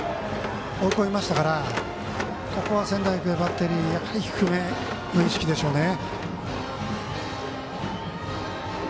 追い込みましたからここは仙台育英バッテリー低めへの意識でしょうね。